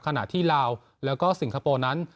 ขณะที่ลาวแล้วก็สิงคโปร์นั้น